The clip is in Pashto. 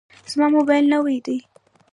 زما موبایل نوی دی.